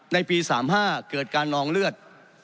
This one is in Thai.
ในปี๓๕เกิดการนองเลือด